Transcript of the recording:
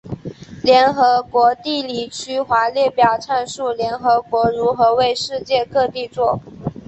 联合国地理区划列表阐述联合国如何为世界各地作。